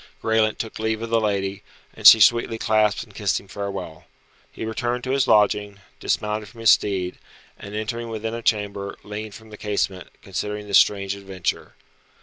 Graelent took leave of the lady, and she sweetly clasped and kissed him farewell. He returned to his lodging, dismounted from his steed, and entering within a chamber, leaned from the casement, considering this strange adventure.